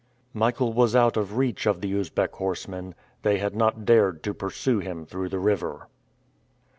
Michael was out of reach of the Usbeck horsemen. They had not dared to pursue him through the river.